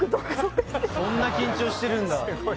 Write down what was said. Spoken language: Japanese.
そんな緊張してるんだ